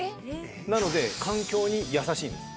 なので環境に優しいんです。